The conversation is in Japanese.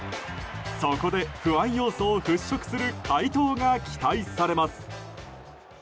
そこで不安要素を払しょくする快投が期待されます。